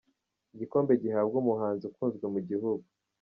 Igikombe gihabwa umuhanzi ukunzwe mu gihugu.